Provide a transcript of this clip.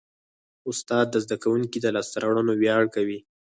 استاد د زده کوونکي د لاسته راوړنو ویاړ کوي.